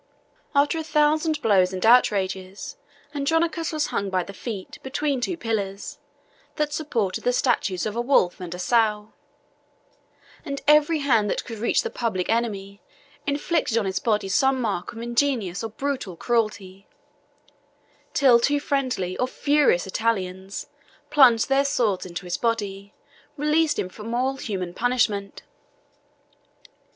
After a thousand blows and outrages, Andronicus was hung by the feet, between two pillars, that supported the statues of a wolf and an a sow; and every hand that could reach the public enemy, inflicted on his body some mark of ingenious or brutal cruelty, till two friendly or furious Italians, plunging their swords into his body, released him from all human punishment.